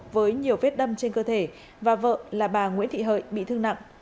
với nhiều vết đâm trên cơ thể và vợ là bà nguyễn thị hợi bị thương nặng